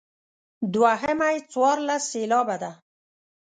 دوهمه یې څوارلس سېلابه ده.